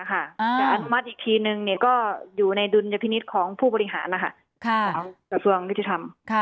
อนุมัติอีกทีนึงก็อยู่ในดุลยพินิษฐ์ของผู้บริหารของกระทรวงยุติธรรม